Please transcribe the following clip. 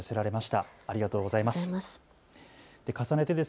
ありがとうございます。